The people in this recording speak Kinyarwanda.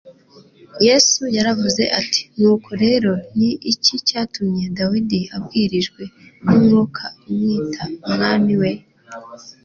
Yesu yaravuze ati : «Nuko rero ni iki cyatumye Dawidi abwirijwe n'Umwuka amwita Umwami we?